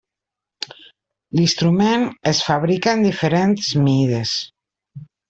L'instrument es fabrica en diferents mides.